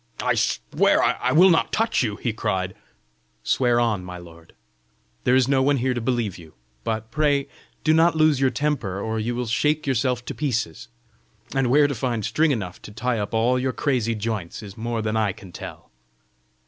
"I swear I will not touch you!" he cried. "Swear on, my lord! there is no one here to believe you. But, pray, do not lose your temper, or you will shake yourself to pieces, and where to find string enough to tie up all your crazy joints, is more than I can tell."